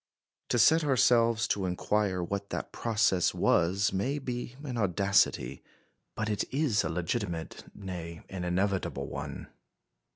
To set ourselves to inquire what that process was may be an audacity, but it is a legitimate, nay, an inevitable one.